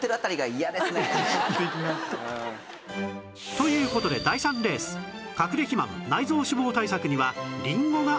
という事で第３レースかくれ肥満・内臓脂肪対策にはりんごがオススメ